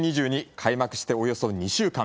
開幕しておよそ２週間。